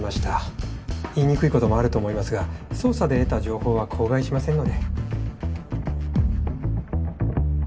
言いにくいこともあると思いますが捜査で得た情報は口外しませんので。